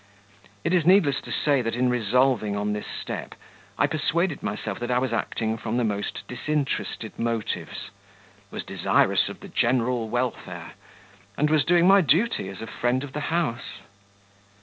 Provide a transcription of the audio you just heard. It is needless to say that in resolving on this step I persuaded myself that I was acting from the most disinterested motives, was desirous of the general welfare, and was doing my duty as a friend of the house....